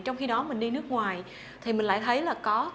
trong khi đó mình đi nước ngoài thì mình lại thấy là có